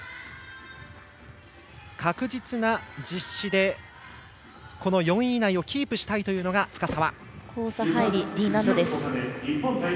確実な実施で４位以内をキープしたいというのが深沢。